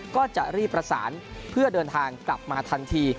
ก็จะรีบประสานเพื่อเดินทางกลับมาทันที